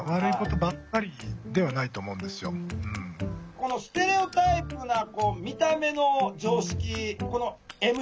このステレオタイプなこう見た目の常識このＭＪですね